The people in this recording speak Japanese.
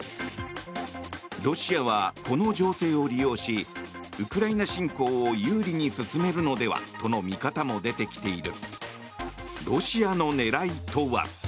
ロシアは、この情勢を利用しウクライナ侵攻を有利に進めるのではとの見方も出てきている。